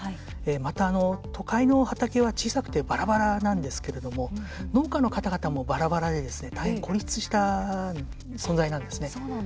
また、都会の畑は小さくてバラバラなんですけれども農家の方々もバラバラで孤立した存在なんですね。